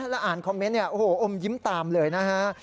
แล้วอ่านคอมเมนต์เนี่ยโอ้โหอมยิ้มตามเลยนะฮะ